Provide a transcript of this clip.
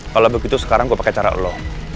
kalau begitu sekarang gue pakai cara long